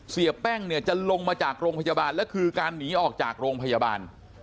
เสียแป้งเนี่ยจะลงมาจากโรงพยาบาลแล้วคือการหนีออกจากโรงพยาบาล